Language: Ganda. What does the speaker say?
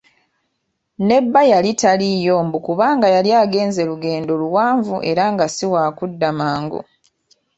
Ne bba yali taliiyo mbu kubanga yali agenze lugendo luwanvu era nga si wakudda mangu.